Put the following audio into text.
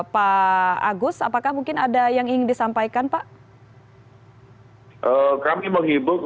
pak agus apakah mungkin ada yang ingin disampaikan pak